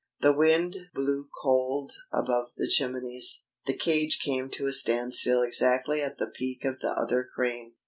The wind blew cold above the chimneys. The cage came to a standstill exactly at the peak of the other crane.